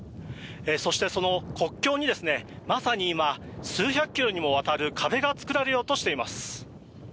そして、その国境にまさに今、数百キロにもわたる壁が造られようとしています。